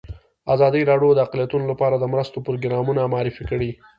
ازادي راډیو د اقلیتونه لپاره د مرستو پروګرامونه معرفي کړي.